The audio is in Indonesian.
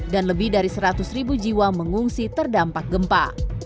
dan lebih dari seratus ribu jiwa mengungsi terdampak gempa